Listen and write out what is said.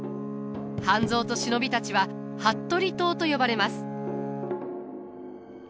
半蔵と忍びたちは服部党と呼ばれます。